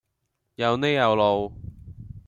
又呢又路